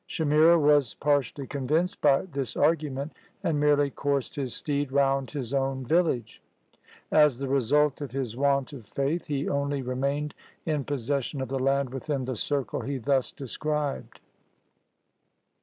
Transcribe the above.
Shamira was partially convinced by this argument, and merely coursed his steed round his own village. As the result of his want of faith, he only remained in possession of the land within the circle he thus described.